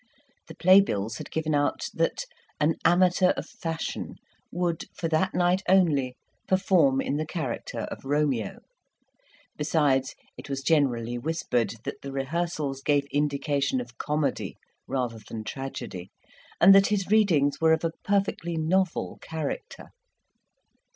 The playbills had given out that "an amateur of fashion" would for that night only perform in the character of Romeo; besides, it was generally whispered that the rehearsals gave indication of comedy rather than tragedy, and that his readings were of a perfectly novel character.